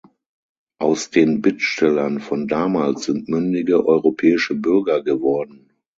Aus den Bittstellern von damals sind mündige europäische Bürger geworden.